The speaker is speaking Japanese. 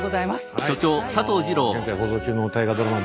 現在放送中の大河ドラマ